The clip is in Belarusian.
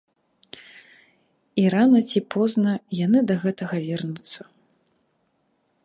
І рана ці позна яны да гэтага вернуцца.